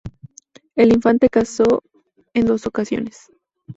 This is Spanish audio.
El infante casó en dos ocasiones.